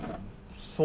そう？